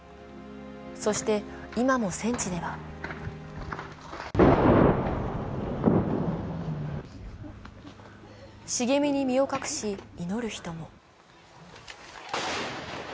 そして、今も戦地では茂みに身を隠し祈る人も。